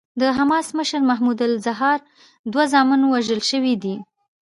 د حماس مشر محمود الزهار دوه زامن وژل شوي دي.